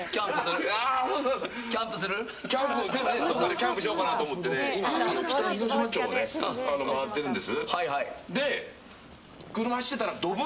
キャンプしようかなと思って今、北広島町を回ってるんです。